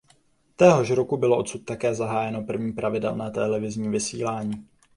Téhož roku bylo odsud také zahájeno první pravidelné televizní vysílání.